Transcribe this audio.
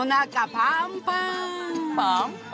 パンパン。